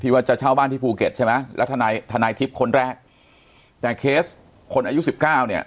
ที่ว่าจะเช่าบ้านที่ภูเก็ตใช่ไหมแล้วธนายทริปคนแรกแต่เคสคนอายุ๑๙เนี่ย